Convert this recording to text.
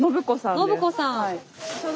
信子さん。